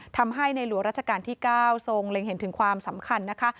ทำให้ในหลวงราชการที่๙ทรงเล็งเห็นถึงความสำคัญนะคะ